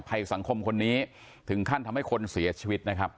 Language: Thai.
ภัยสังคมคนนี้ถึงขั้นทำให้คนเสียชีวิตนะครับ